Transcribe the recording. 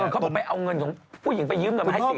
เขาบอกไปเอาเงินของผู้หญิงไปยืมเงินมาให้๔๐